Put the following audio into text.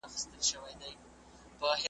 د دوی د موقتي او لړزانه امنیت سره سره ,